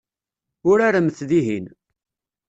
Uraremt dihin.